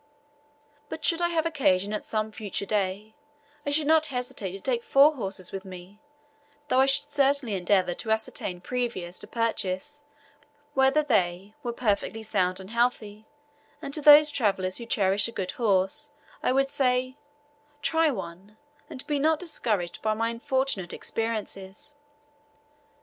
But should I have occasion at some future day, I should not hesitate to take four horses with me, though I should certainly endeavour to ascertain previous to purchase whether they, were perfectly sound and healthy, and to those travellers who cherish a good horse I would say, "Try one," and be not discouraged by my unfortunate experiences.